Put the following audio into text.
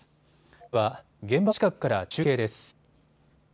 では現場の近くから中継です。